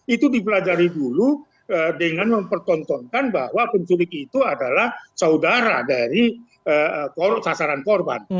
itu dipelajari dulu dengan mempertontonkan bahwa penculik itu adalah saudara dari sasaran korban